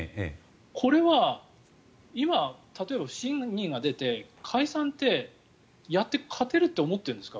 これは今、例えば不信任が出て解散って、やって勝てるって思っているんですか？